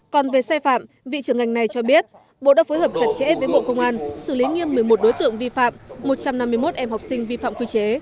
còn về sai phạm vị trưởng ngành này cho biết bộ đã phối hợp chặt chẽ với bộ công an xử lý nghiêm một mươi một đối tượng vi phạm một trăm năm mươi một em học sinh vi phạm quy chế